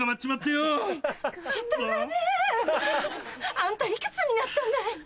あんたいくつになったんだい？